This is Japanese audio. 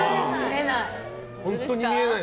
見えない。